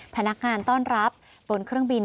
พนักงานต้อนรับบนเครื่องบิน